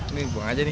ini buang aja nih